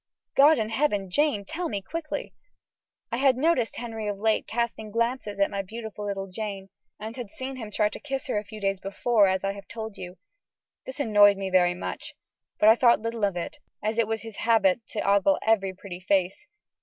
God in heaven, Jane, tell me quickly." I had noticed Henry of late casting glances at my beautiful little Jane, and had seen him try to kiss her a few days before, as I have told you. This annoyed me very much, but I thought little of it, as it was his habit to ogle every pretty face.